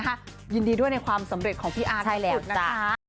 อ่ะนะฮะยินดีด้วยในความสำเร็จของพี่อาร์ททุกคนนะคะ